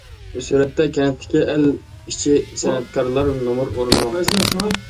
سۈرەتتە: كەنتتىكى ئەل ئىچى سەنئەتكارلار نومۇر ئورۇنلىماقتا.